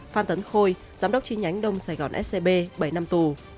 phan tấn khôi giám đốc chi nhánh đông sài gòn scb bảy năm tù